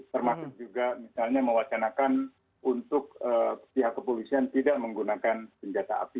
termasuk juga misalnya mewacanakan untuk pihak kepolisian tidak menggunakan senjata api